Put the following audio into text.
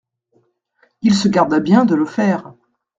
Il se garda bien de le faire.